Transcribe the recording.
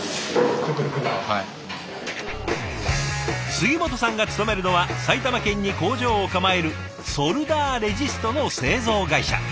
杉本さんが勤めるのは埼玉県に工場を構えるソルダーレジストの製造会社。